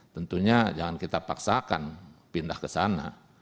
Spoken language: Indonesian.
tentunya jangan kita paksakan pindah ke sana